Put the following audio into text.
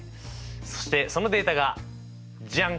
そしてそのデータがジャン！